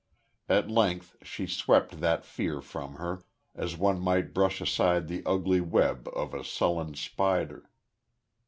At length she swept that fear from her, as one might brush aside the ugly web of a sullen spider....